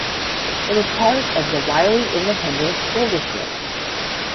It is part of the Wylie Independent School District.